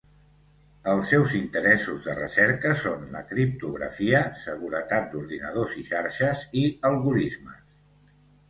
Els seus interessos de recerca són la criptografia, seguretat d'ordinadors i xarxes, i algorismes.